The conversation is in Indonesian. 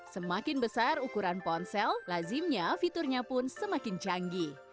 semakin besar ukuran ponsel lazimnya fiturnya pun semakin canggih